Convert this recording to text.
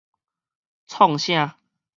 創啥